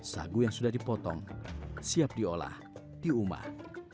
sagu yang sudah dipotong siap diolah di rumah